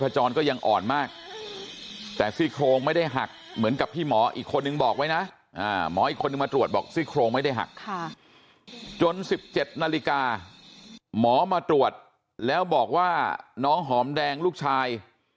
จน๑๗นาฬิกาหมอมาตรวจแล้วบอกว่าน้องหอมแดงลูกชาย